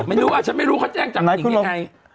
ไม่รู้อ่ะฉันไม่รู้เขาแจ้งจากหนิงยังไง